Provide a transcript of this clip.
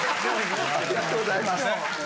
ありがとうございます。